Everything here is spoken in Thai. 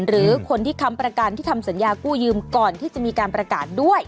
หรือคนที่ค้ำประกันที่ทำสัญญากู้ยืมก่อนที่จะมีการประกาศด้วย